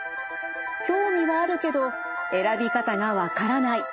「興味はあるけど選び方が分からない。